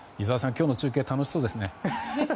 今日の中継は楽しそうですね。